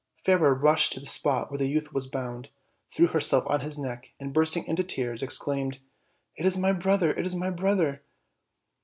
Fairer rushed to the spot where the youth was bound, threw herself on his neck, and, bursting into tears, ex claimed: "It is my brother, it is my brother!"